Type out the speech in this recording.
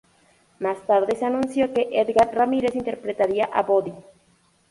Más tarde, se anunció que Édgar Ramírez interpretaría a Bodhi.